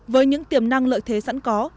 với những tiềm năng lợi thế sẵn có